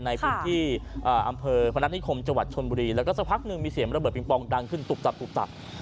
ในคุณที่อำเภอพระนาฏิคมจวัดชนบุรีแล้วก็สักพักนึงมีเสียงระเบิดปิงปองดังขึ้นตุบตับ